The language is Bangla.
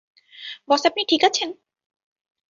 বস আপনি ঠিক আছেন?